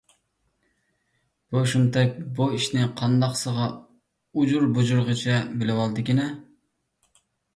بۇ شۇمتەك بۇ ئىشنى قانداقسىغا ئۇجۇر - بۇجۇرىغىچە بىلىۋالدىكىنە؟